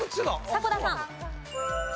迫田さん。